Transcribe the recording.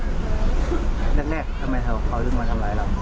แรกทำไมเขารุ่นมาทำร้ายละ